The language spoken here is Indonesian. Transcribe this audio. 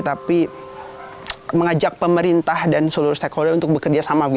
tapi mengajak pemerintah dan seluruh stakeholder untuk bekerja sama